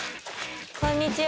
こんにちは。